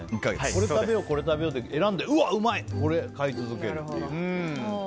これ食べようこれ食べようと選んでうわ、うまい！ってなってこれを買い続けるっていう。